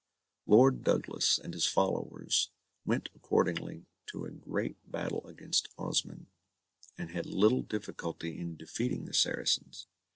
Lord Douglas and his followers went accordingly to a great battle against Osmyn, and had little difficulty in defeating the Saracens.